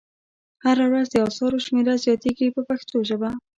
هره ورځ د اثارو شمېره زیاتیږي په پښتو ژبه.